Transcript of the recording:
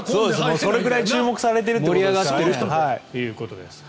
それぐらい注目されているということですからね。